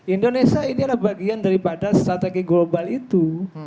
indonesia ini adalah bagian dari pada strategi global itu